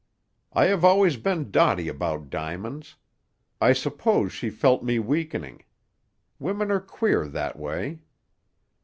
I have always been dotty about diamonds. I suppose she felt me weakening. Women are queer, that way.